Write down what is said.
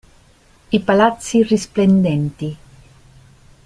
I palazzi risplendenti…